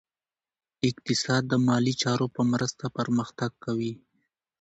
اقتصاد د مالي چارو په مرسته پرمختګ کوي.